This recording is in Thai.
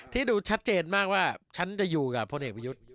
ดูชัดเจนมากว่าฉันจะอยู่กับพลเอกประยุทธ์